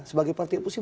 sebagai partai opsisi